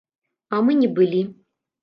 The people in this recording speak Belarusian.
А мы не былі.